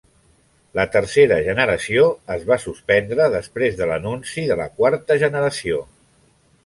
La tercera generació es va suspendre després de l'anunci de la quarta generació.